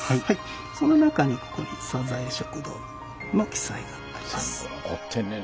その中にここにサザエ食堂の記載があります。